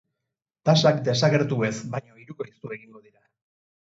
Tasak desagertu ez baino hirukoiztu egingo dira.